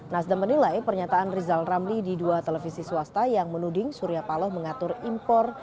nasdem menilai pernyataan rizal ramli di dua televisi swasta yang menuding surya paloh mengatur impor